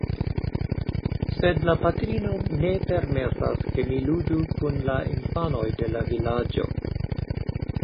Sed la patrino ne permesas, ke mi ludu kun la infanoj de la vilaĝo.